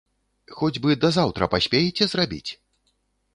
Хоць бы да заўтра паспееце зрабіць?